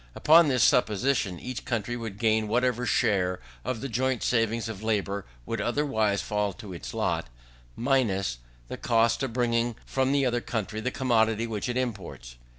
Upon this supposition, each country would gain whatever share of the joint saving of labour would otherwise fall to its lot, minus the cost of bringing from the other country the commodity which it imports.